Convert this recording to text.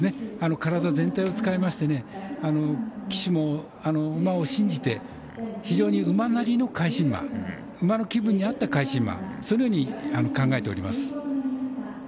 体全体を使いまして騎手も馬を信じて非常に馬なりの返し馬、馬の気分に合った返し馬そういうふうに考えております。